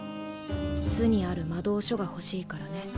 巣にある魔導書が欲しいからね。